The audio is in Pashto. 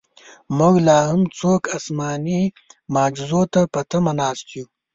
موږ لاهم څوک اسماني معجزو ته په تمه ناست یو.